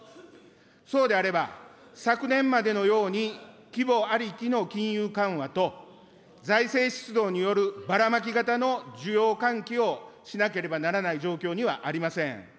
そうであれば、昨年までのように規模ありきの金融緩和と財政出動によるバラマキ型の需要喚起をしなければならない状況にはありません。